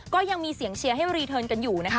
ก็ยังมีเสียงเชียร์ให้รีเทิร์นกันอยู่นะคะ